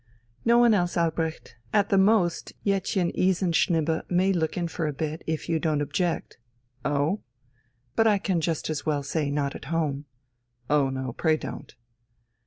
"No one else, Albrecht. At the most, Jettchen Isenschnibbe may look in for a bit, if you don't object...." "Oh?" "But I can just as well say 'Not at home.'" "Oh no, pray don't."